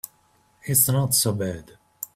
It's not so bad.